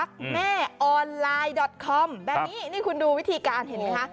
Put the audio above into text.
แบบนี้นี่คุณดูวิธีการเห็นไหมคะ